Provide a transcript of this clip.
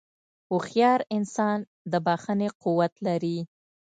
هوښیار انسان د بښنې قوت لري.